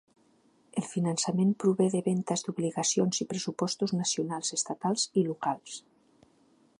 El finançament prové de ventes d'obligacions i pressupostos nacionals, estatals i locals.